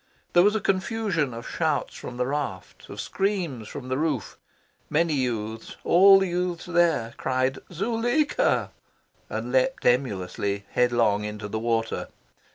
There was a confusion of shouts from the raft, of screams from the roof. Many youths all the youths there cried "Zuleika!" and leapt emulously headlong into the water.